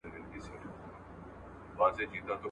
ټولنيز ملاتړ انسان قوي کوي.